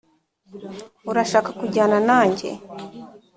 urashaka kujyana nanjye